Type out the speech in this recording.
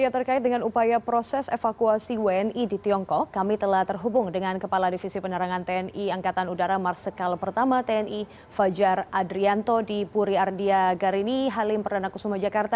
terkait dengan upaya proses evakuasi wni di tiongkok kami telah terhubung dengan kepala divisi penerangan tni angkatan udara marsikal pertama tni fajar adrianto di puri ardia garini halim perdana kusuma jakarta